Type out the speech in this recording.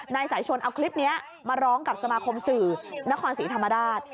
นายสายชนเอาคลิปนี้มาร้องกับสมาคมสื่อนครศรีธรรมราช